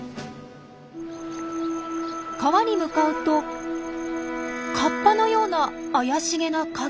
川に向かうとカッパのような怪しげな影。